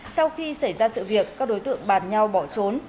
sau khi xảy ra sự việc các đối tượng bàn nhau bỏ trốn